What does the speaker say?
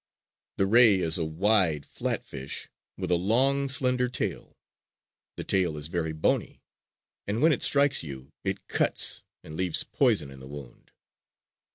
The ray is a wide, flat fish with a long, slender tail. The tail is very bony; and when it strikes you it cuts, and leaves poison in the wound.